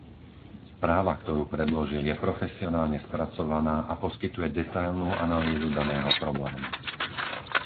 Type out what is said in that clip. Správa, ktorú predložil je profesionálne spracovaná a poskytuje detailnú analýzu daného problému.